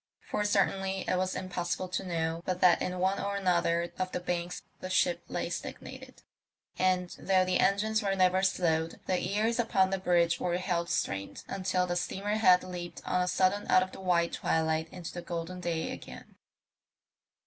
For certainly it was impossible to know but that in one or another of the banks a ship lay stagnated; and, though the engines were never slowed, the ears upon the bridge were held strained until the steamer had leaped on a sudden out of the white twilight into the golden day again.